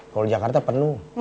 kalau di jakarta penuh